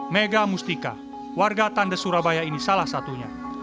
mega mustika warga tande surabaya ini salah satunya